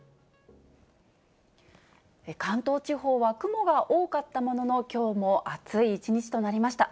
関東地方は雲が多かったものの、きょうも暑い一日となりました。